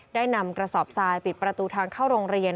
ได้นำกระสอบทรายปิดประตูทางเข้าโรงเรียน